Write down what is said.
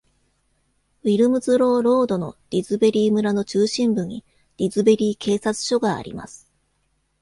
ウィルムズローロードのディズベリー村の中心部にディズベリー警察署があります。